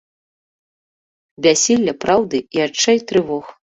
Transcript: Бяссілле праўды і адчай трывог.